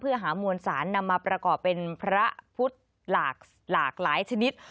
เพื่อหามวลสารนำมาประกอบเป็นพระพุทธหลากหลายชนิด